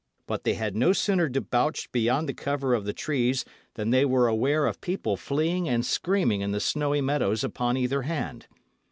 But they had no sooner debauched beyond the cover of the trees than they were aware of people fleeing and screaming in the snowy meadows upon either hand.